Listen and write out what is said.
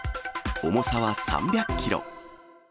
重さは３００キロ。